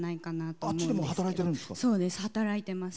あっちでも働いてるんですか。